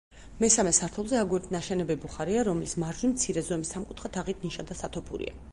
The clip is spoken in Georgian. მესამე სართულზე აგურით ნაშენები ბუხარია, რომლის მარჯვნივ მცირე ზომის სამკუთხა თაღით ნიშა და სათოფურია.